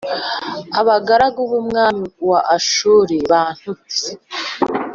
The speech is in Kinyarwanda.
abagaragu b umwami wa Ashuri bantutse